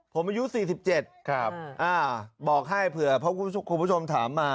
ผมอายุ๔๗บอกให้เผื่อเพราะคุณผู้ชมถามมา